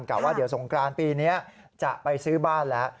ว่าเดี๋ยวสงกรานปีนี้จะไปซื้อบ้านแล้ว